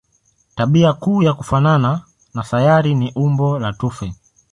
Tabia kuu ya kufanana na sayari ni umbo la tufe.